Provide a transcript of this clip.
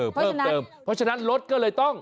เพราะฉะนั้นรถก็เลยต้อง